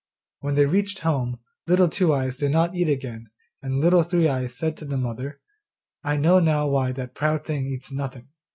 When they reached home, Little Two eyes did not eat again, and Little Three eyes said to the mother, 'I know now why that proud thing eats nothing.